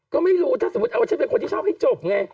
ก็ไม่รู้ถ้าสมมุติเอาว่าฉันเป็นคนที่ชอบให้จบไง